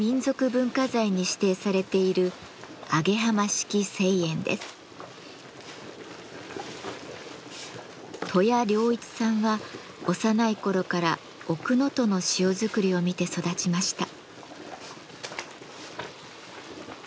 文化財に指定されている登谷良一さんは幼い頃から奥能登の塩作りを見て育ちました。